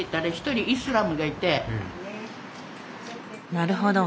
なるほど。